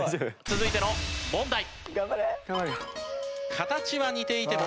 続いての問題。